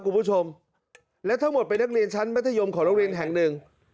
คุณผู้ชมและทั้งหมดเป็นนักเรียนชั้นมัธยมของโรงเรียนแห่งหนึ่ง